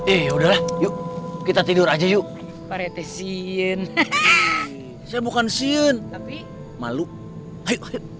eh yaudahlah yuk kita tidur aja yuk parete sien hahaha saya bukan sien tapi malu ayo